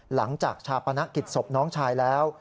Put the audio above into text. หลังจากชาปนกิจศพน้องชายแล้ว